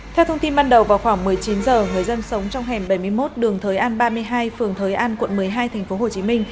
theo thông tin ban đầu vào khoảng một mươi chín h người dân sống trong hẻm bảy mươi một đường thới an ba mươi hai phường thới an quận một mươi hai tp hcm